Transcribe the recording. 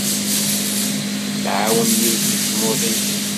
Tɛawen yiwet n tmuḍint.